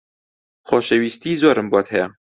خۆشەویستیی زۆرم بۆت هەیە.